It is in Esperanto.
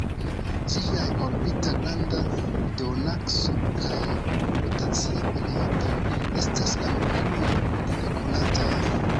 Ĝiaj orbita granda duonakso kaj rotacia periodo estas ankoraŭ nekonataj.